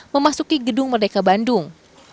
memasuki gedung merdeka bandung